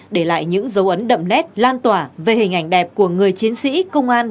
để lại những dấu ấn đậm nét lan tỏa về hình ảnh đẹp của người chiến sĩ công an